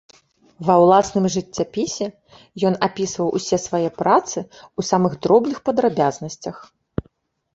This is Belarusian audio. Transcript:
Ва ўласным жыццяпісе ён апісваў усе свае працы ў самых дробных падрабязнасцях.